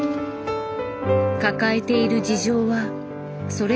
抱えている事情はそれぞれ違う。